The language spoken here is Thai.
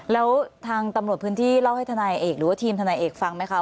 แล้วทางตำรวจพื้นที่เล่าให้ทนายเอกหรือว่าทีมทนายเอกฟังไหมคะ